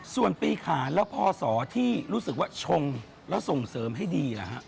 ส่วนปีขานแล้วพอสอที่รู้สึกว่าชงแล้วส่งเสริมให้ดีล่ะฮะ